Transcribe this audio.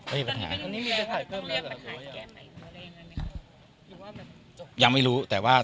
โอเคครับไม่มีปัญหาครับ